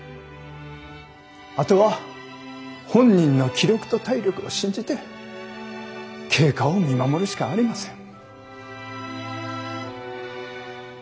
あとは本人の気力と体力を信じて経過を見守るしかありません。